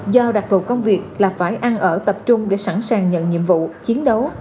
do đặc vụ công việc là phải ăn ở tập trung để sẵn sàng nhận nhiệm vụ chiến đấu